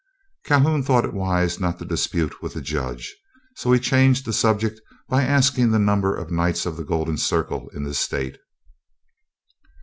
Calhoun thought it wise not to dispute with the Judge, so he changed the subject by asking the number of Knights of the Golden Circle in the state.